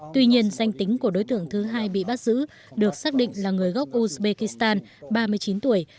tuy nhiên danh tính của đối tượng thứ hai bị bắt giữ được xác định là người gốc uzbekistan ba mươi chín tuổi